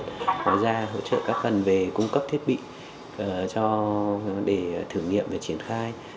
ngoài ra hỗ trợ các phần về cung cấp thiết bị để thử nghiệm và triển khai